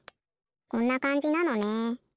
こんなかんじなのね。